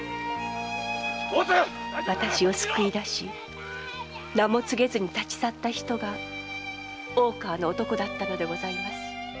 〕私を救いだし名も告げずに立ち去った人が大川の男だったのでございます。